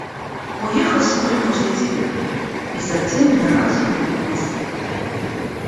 Уехал вскоре после тебя и затем ни разу не был в Москве.